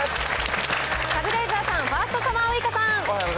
カズレーザーさん、ファーストサマーウイカさん。